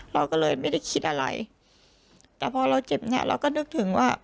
เราก็เลยไม่ได้คิดอะไรแต่พอเราเจ็บเนี่ยเราก็นึกถึงว่า